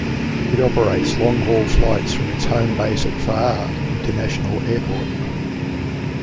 It operates long-haul flights from its home base at Faa'a International Airport.